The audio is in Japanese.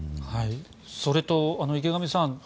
それと池上さん